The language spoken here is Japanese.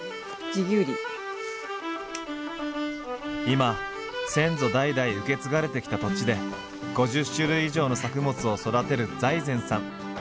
今先祖代々受け継がれてきた土地で５０種類以上の作物を育てる財前さん。